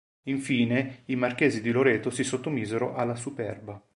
Infine, i marchesi di Loreto si sottomisero alla Superba.